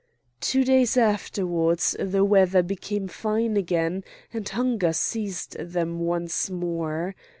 Two days afterwards the weather became fine again, and hunger seized them once more.